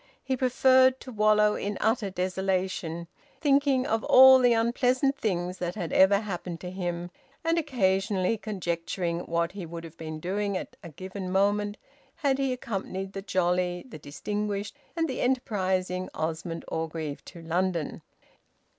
He preferred to wallow in utter desolation, thinking of all the unpleasant things that had ever happened to him, and occasionally conjecturing what he would have been doing at a given moment had he accompanied the jolly, the distinguished, and the enterprising Osmond Orgreave to London.